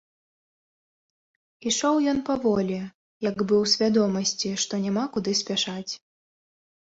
Ішоў ён паволі, як бы ў свядомасці, што няма куды спяшаць.